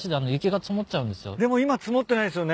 でも今積もってないっすよね？